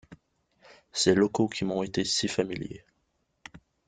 Ces locaux qui m’ont été si familiers.